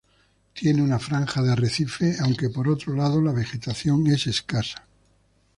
Tiene una franja de arrecife, aunque, por otro lado, la vegetación es escasa.